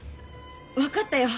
分かったよ。